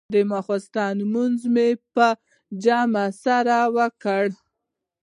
د ماخستن لمونځونه مو په جمع سره وکړل.